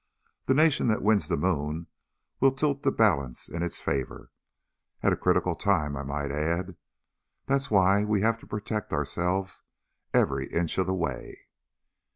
The nation that wins the moon will tilt the balance in its favor. At a critical time, I might add. That's why we have to protect ourselves every inch of the way."